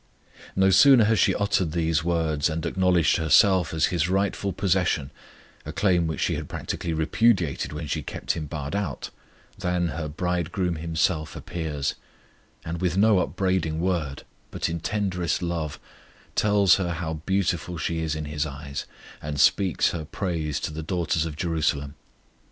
No sooner has she uttered these words and acknowledged herself as His rightful possession a claim which she had practically repudiated when she kept Him barred out than her Bridegroom Himself appears; and with no upbraiding word, but in tenderest love, tells her how beautiful she is in His eyes, and speaks her praise to the daughters of Jerusalem.